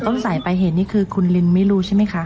แต่ต้นสายไปเห็นนี่คือคุณลิงไม่รู้ใช่มั้ยคะ